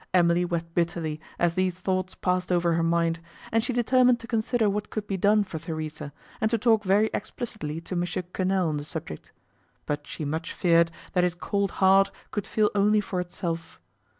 Emily wept bitterly as these thoughts passed over her mind, and she determined to consider what could be done for Theresa, and to talk very explicitly to M. Quesnel on the subject; but she much feared that his cold heart could feel only for itself.